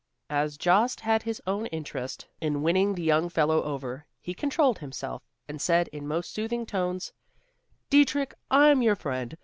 As Jost had his own interest in winning the young fellow over, he controlled himself, and said in most soothing tones, "Dietrich, I am your friend.